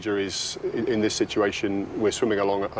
แล้วคุณถามตอนนี้คุณคิดว่าไง